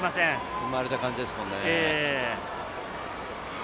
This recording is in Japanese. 踏まれた感じですからね。